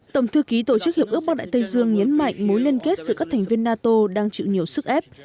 tổng thư ký tổ chức hiệp ước bắc đại tây dương nhấn mạnh mối liên kết giữa các thành viên nato đang chịu nhiều sự phá hủy